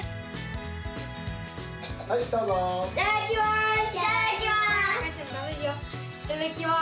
いただきます！